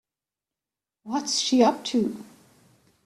What's she up to?